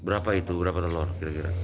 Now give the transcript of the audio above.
berapa itu berapa telur kira kira